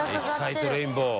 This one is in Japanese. エキサイトレインボー。